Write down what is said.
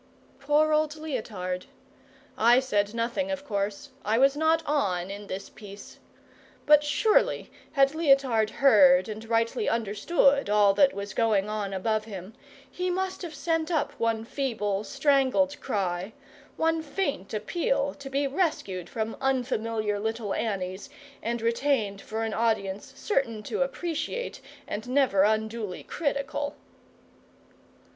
Poor old Leotard! I said nothing, of course; I was not on in this piece. But, surely, had Leotard heard and rightly understood all that was going on above him, he must have sent up one feeble, strangled cry, one faint appeal to be rescued from unfamiliar little Annies and retained for an audience certain to appreciate and never unduly critical.